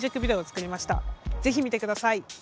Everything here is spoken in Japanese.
ぜひ見てください！